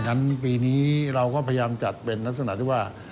กันอย่างนั้นปีนี้เราก็พยายามจัดเป็นนักสนับที่ว่า